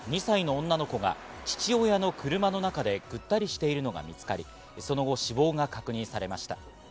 一昨日、大阪・岸和田市で２歳の女の子が父親の車の中でぐったりしているのが見つかり、その後、死亡が確認されました。